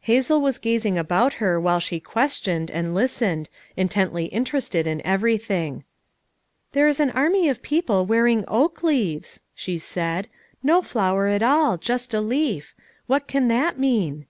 Hazel was gazing about her while she ques tioned, and listened, intensely interested in everything. "There is an army of people wearing oak leaves," she said. "No flower at all, just a leaf. What can that mean?"